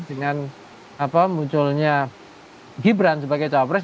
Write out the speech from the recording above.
dengan apa munculnya gibran sebagai capres